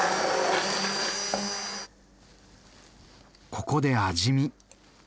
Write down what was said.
ここで味見。